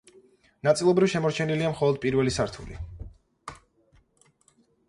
ნაწილობრივ შემორჩენილია მხოლოდ პირველი სართული.